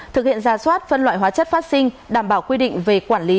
thực hiện ra soát phân loại hóa chất phát sinh đảm bảo quy định về quản lý